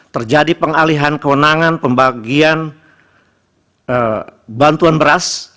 terjadi pengalihan kewenangan pembagian bantuan beras